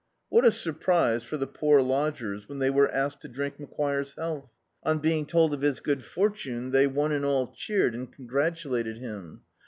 What a surprise for the poor lodgers when they were asked to drink Macquire's health! On being told of his good fortune, they one and all cheered and congratulated him.